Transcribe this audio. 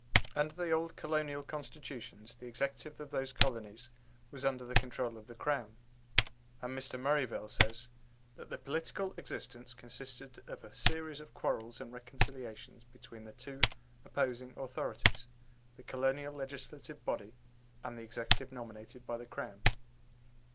Under the old colonial Constitutions the Executive of those colonies was under the control of the Crown; and Mr. Merivale says "that the political existence consisted of a series of quarrels and reconciliations between the two opposing authorities the colonial legislative body and the Executive nominated by the Crown."